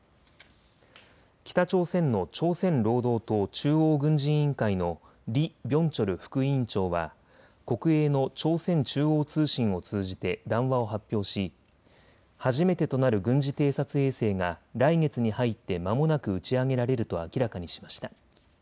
北朝鮮の朝鮮労働党中央軍事委員会のリ・ビョンチョル副委員長は国営の朝鮮中央通信を通じて談話を発表し初めてとなる軍事偵察衛星が来月に入ってまもなく打ち上げられると明らかにしました。